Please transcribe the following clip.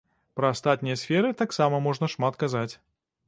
Пра астатнія сферы таксама можна шмат казаць.